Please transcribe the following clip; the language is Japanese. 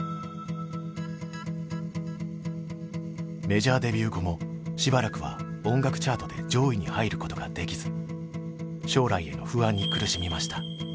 メジャーデビュー後もしばらくは音楽チャートで上位に入ることができず将来への不安に苦しみました。